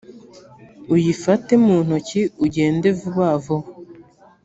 uyifate mu ntoki ugende vubavuba.